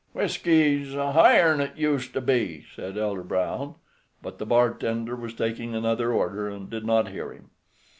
"Whiskey is higher'n used to be," said Elder Brown; but the bartender was taking another order, and did not hear him.